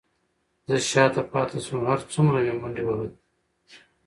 زه شاته پاتې شوم، هر څومره مې منډې وهلې،